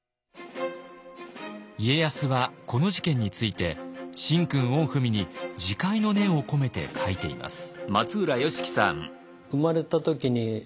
家康はこの事件について「神君御文」に自戒の念を込めて書いています。